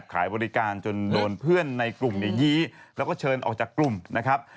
ขายบริการจนโดนเพื่อนในกลุ่มยี้แล้วก็เชิญออกจากกลุ่มนะครับ